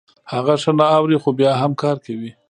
هغه ښه نه اوري خو بيا هم کار کوي.